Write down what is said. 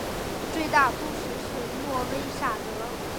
最大都市是诺维萨德。